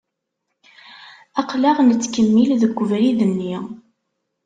Aqlaɣ nettkemmil deg ubrid-nni.